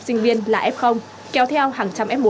sinh viên là f kéo theo hàng trăm f một